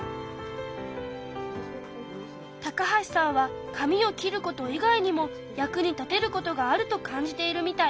橋さんはかみを切ること以外にも役に立てることがあると感じているみたい。